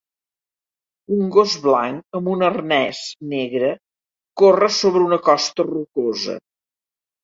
Un gos blanc amb un arnès negre corre sobre una costa rocosa.